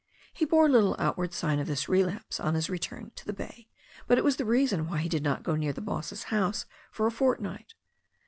He bore lit tle outward sign of this relapse on his return to the bay, but it was the reason why he did not go near the boss's house for a fortnight.